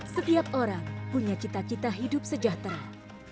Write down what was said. setiap orang punya cita cita hidup sejahtera